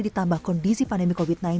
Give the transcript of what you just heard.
ditambah kondisi pandemi covid sembilan belas